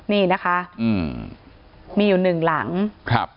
นี่นะคะอืมมีอยู่หนึ่งหลังครับ